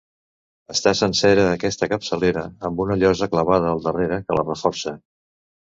Està sencera aquesta capçalera, amb una llosa clavada al darrere, que la reforça.